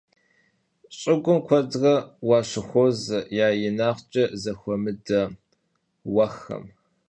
Ş'ıgum kuedre vuşıxuoze ya yinağç'e zexuemıde vuexxem.